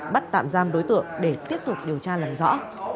bắt tạm giam đối tượng để tiếp tục điều tra làm rõ